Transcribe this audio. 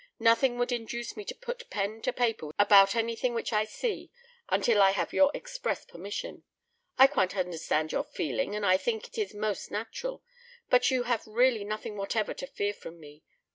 Nothing would induce me to put pen to paper about anything which I see until I have your express permission. I quite understand your feeling and I think it is most natural, but you have really nothing whatever to fear from me.